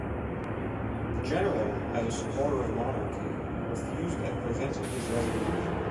The General, as a supporter of monarchy, refused and presented his resignation.